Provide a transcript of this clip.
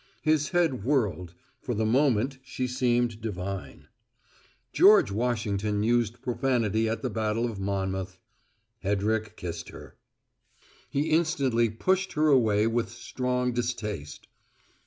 His head whirled; for the moment she seemed divine. George Washington used profanity at the Battle of Monmouth. Hedrick kissed her. He instantly pushed her away with strong distaste.